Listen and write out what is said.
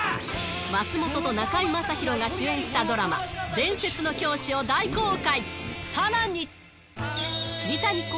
松本と中居正広が主演したドラマ、伝説の教師を大公開。